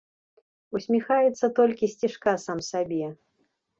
Усміхаецца толькі сцішка сам сабе.